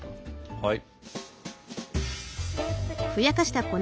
はい。